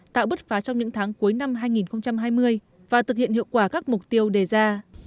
tạo bứt phá trong những tháng cuối năm hai nghìn hai mươi và thực hiện hiệu quả các mục tiêu đề ra